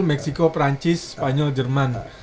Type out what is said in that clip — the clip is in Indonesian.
meksiko perancis spanyol jerman